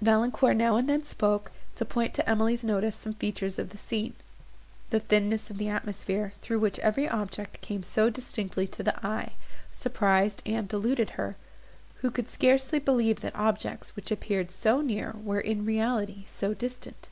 Valancourt now and then spoke, to point to Emily's notice some feature of the scene. The thinness of the atmosphere, through which every object came so distinctly to the eye, surprised and deluded her; who could scarcely believe that objects, which appeared so near, were, in reality, so distant.